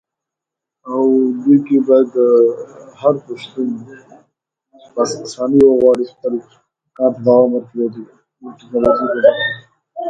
The Clark opposition developed a new and innovative opposition strategy.